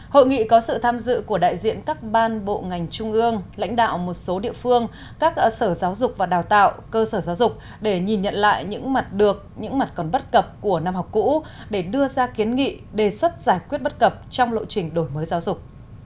hội nghị có sự tham dự của đại diện các ban bộ ngành trung ương lãnh đạo một số địa phương các sở giáo dục và đào tạo cơ sở giáo dục để nhìn nhận lại những mặt được những mặt còn bất cập của năm học cũ để đưa ra kiến nghị đề xuất giải quyết bất cập trong lộ trình đổi mới giáo dục